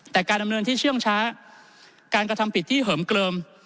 แต่การดำเนินที่เชื่องช้าการกระทำผิดที่เหิมเกลิม